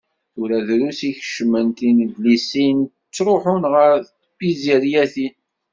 Tura drus i ikeččmen tinedlisin, ttruḥun ɣer tpizziryatin.